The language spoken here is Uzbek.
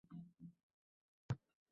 koshki kofir bo’lsang